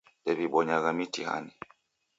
Ndew'ibonyagha mitihani